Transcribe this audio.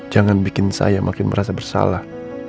jangan bikin saya makin merasa bersalah